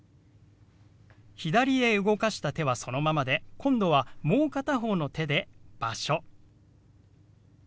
左へ動かした手はそのままで今度はもう片方の手で「場所」。